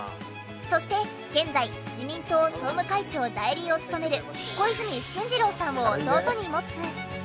そして現在自民党総務会長代理を務める小泉進次郎さんを弟に持つ。